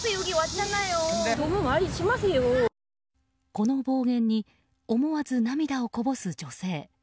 この暴言に思わず涙をこぼす女性。